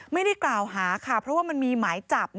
ไม่ได้กล่าวหาค่ะเพราะว่ามันมีหมายจับ